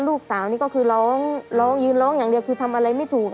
ลูกสาวนี่ก็คือร้องร้องยืนร้องอย่างเดียวคือทำอะไรไม่ถูก